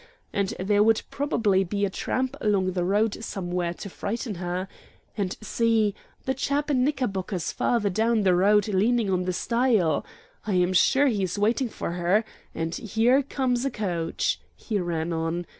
And there would probably be a tramp along the road somewhere to frighten her; and see the chap in knickerbockers farther down the road leaning on the stile. I am sure he is waiting for her; and here comes a coach," he ran on.